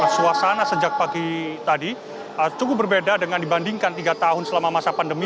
suasana sejak pagi tadi cukup berbeda dengan dibandingkan tiga tahun selama masa pandemi